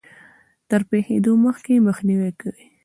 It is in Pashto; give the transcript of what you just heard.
تر پېښېدو مخکې يې مخنيوی کوي.